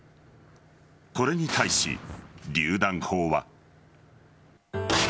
これに対し、りゅう弾砲は。